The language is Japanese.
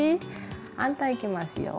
反対いきますよ。